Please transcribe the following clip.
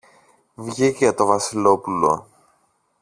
Βγήκε το Βασιλόπουλο.